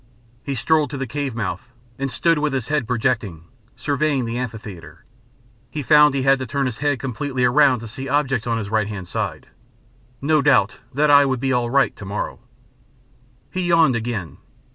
He strolled to the cave mouth and stood with his head projecting, surveying the amphitheatre. He found he had to turn his head completely round to see objects on his right hand side. No doubt that eye would be all right to morrow. He yawned again.